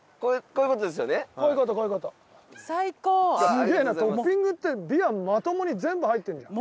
すげえなトッピングってびわまともに全部入ってるじゃん。